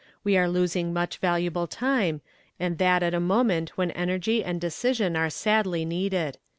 We are losing much valuable time, and that at a moment when energy and decision are sadly needed."